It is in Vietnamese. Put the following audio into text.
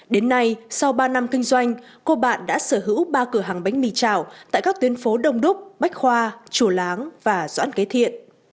đến nay sau ba năm kinh doanh cô bạn đã sở hữu ba cửa hàng bánh mì chảo tại các tuyến phố đông đúc bách khoa chùa láng và doãn kế thiện